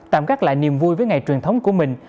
tạm gác lại niềm vui với ngày truyền thống của mình